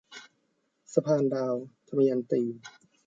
สะพานดาว - ทมยันตี